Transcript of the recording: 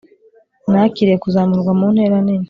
Nakiriye kuzamurwa mu ntera nini